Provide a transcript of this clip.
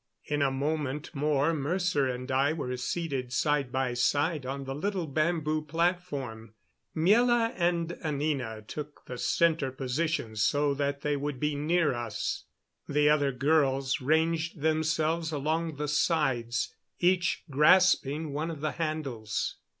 In a moment more Mercer and I were seated side by side on the little bamboo platform. Miela and Anina took the center positions so that they would be near us. The other girls ranged themselves along the sides, each grasping one of the handles.